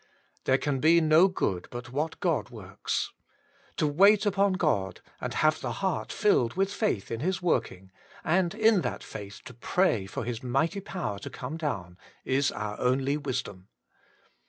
There can be no good but what God works; to wait upon God, and have the heart filled with faith in His working, and in that faith to pray for His mighty power to come down, is our only wisdom.